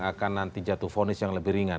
akan nanti jatuh fonis yang lebih ringan